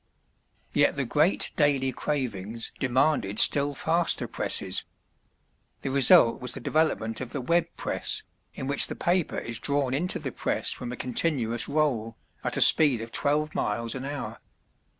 Yet the great daily cravings demanded still faster presses. The result was the development of the Web press, in which the paper is drawn into the press from a continuous roll, at a speed of twelve miles an hour.